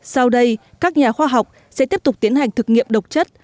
sau đây các nhà khoa học sẽ tiếp tục tiến hành thực nghiệm độc chất